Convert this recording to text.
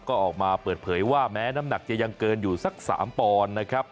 ก็ออกมาเปิดเผยว่าแม้น้ำหนักจะยังเกินอยู่สัก๓ปอนด์นะครับ